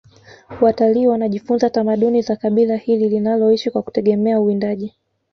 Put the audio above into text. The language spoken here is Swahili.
watalii wanajifunza tamaduni za kabila hili linaloishi kwa kutegemea uwindaji